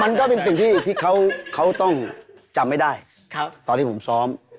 มันก็เป็นสิ่งที่เขาต้องจำไม่ได้ตอนที่ผมซ้อม